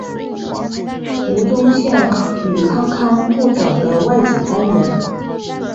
吴宗宪与康康互整的外景单元。